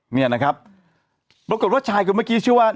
เนี่ยนะครับปรากฏว่าชายคนเมื่อกี้ชื่อว่า